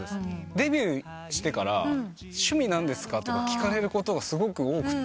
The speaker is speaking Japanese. デビューしてから「趣味何ですか」とか聞かれることがすごく多くて。